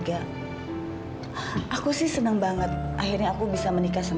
aku juga tahu ras